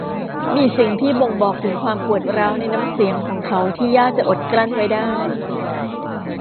มีสิ่งที่บ่งบอกถึงความปวดร้าวในน้ำเสียงของเขาที่ยากจะอดกลั้นไว้ได้